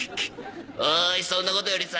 「おいそんなことよりさ